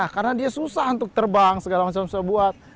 karena dia susah untuk terbang segala macam sebuah